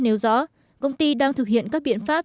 nếu rõ công ty đang thực hiện các biện pháp